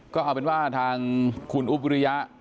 ก็เอาเป็นว่าทางคุณอุ๊บวิริยะ